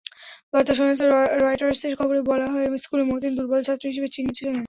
বার্তা সংস্থা রয়টার্সের খবরে বলা হয়, স্কুলে মতিন দুর্বল ছাত্র হিসেবে চিহ্নিত ছিলেন।